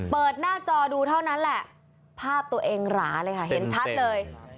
เปิดหน้าจอดูเท่านั้นแหละภาพตัวเองหราเลยค่ะเห็นชัดเลย